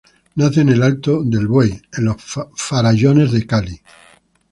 Nace en el Alto del Buey en los Farallones de Cali.